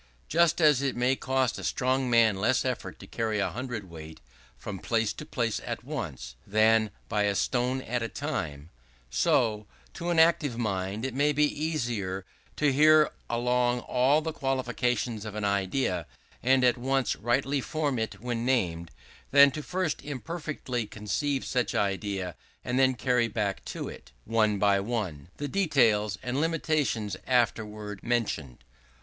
Just as it may cost a strong man less effort to carry a hundred weight from place to place at once, than by a stone at a time; so, to an active mind it may be easier to bear along all the qualifications of an idea and at once rightly form it when named, than to first imperfectly conceive such idea and then carry back to it, one by one, the details and limitations afterwards mentioned.